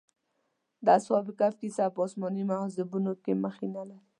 د اصحاب کهف کيسه په آسماني مذهبونو کې مخینه لري.